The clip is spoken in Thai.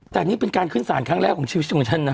แต่นี่เป็นการขึ้นสารครั้งแรกของชีวิตของฉันนะ